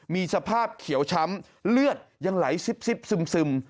มีสภาพเขียวช้ำเลือดยังไหลซิบซึม